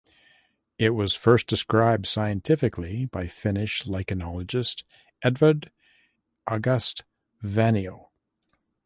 It was first described scientifically by Finnish lichenologist Edvard August Vainio.